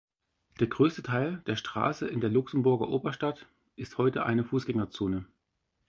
Der größte Teil der Straße in der Luxemburger Oberstadt ist heute eine Fußgängerzone.